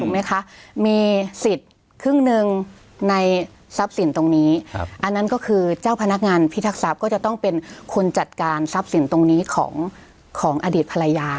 ไหมคะมีสิทธิ์ครึ่งหนึ่งในทรัพย์สินตรงนี้อันนั้นก็คือเจ้าพนักงานพิทักษัพก็จะต้องเป็นคนจัดการทรัพย์สินตรงนี้ของอดีตภรรยา